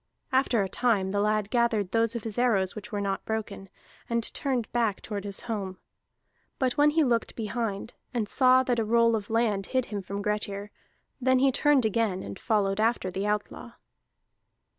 After a time the lad gathered those of his arrows which were not broken, and turned back toward his home. But when he looked behind, and saw that a roll of land hid him from Grettir, then he turned again, and followed after the outlaw.